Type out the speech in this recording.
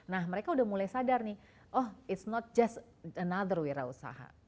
nah mereka udah mulai sadar nih oh it's not just another wirausaha